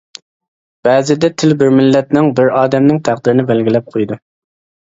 بەزىدە تىل بىر مىللەتنىڭ، بىر ئادەمنىڭ تەقدىرىنى بەلگىلەپ قويىدۇ.